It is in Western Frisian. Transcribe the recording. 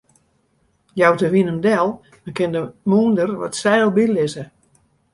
Jout de wyn him del, dan kin de moolder wat seil bylizze.